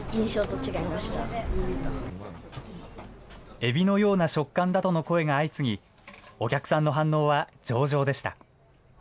エビのような食感だとの声が相次ぎ、お客さんの反応は上々でした。